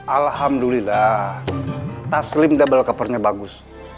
alhamdulillah taslim double copernya bagus